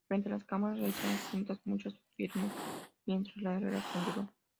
Frente a las cámaras realizaron juntas muchos filmes mientras la relación duró.